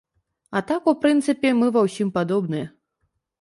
А так, у прынцыпе, мы ва ўсім падобныя.